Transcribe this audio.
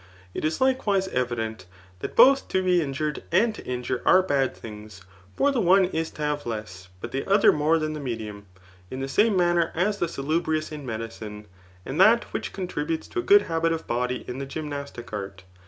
It is likewise evident, that both to be injured and to injure are bad thuigs ; for the otie is to have less, but the other more than the medium ; in the same manner as the salubrious in medicine, and that which contributes to a good habit of body in the gym nastic art.